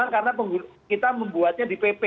karena kita membuatnya di pp